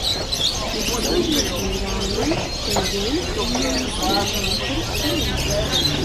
Jeho celoživotním zájmem byly dějiny a umění Středního východu a Orientu.